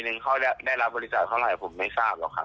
จะคิดถามเพราะความใช้สำคัญ